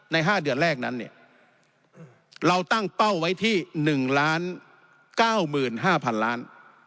๕เดือนแรกนั้นเนี่ยเราตั้งเป้าไว้ที่๑๙๕๐๐๐ล้าน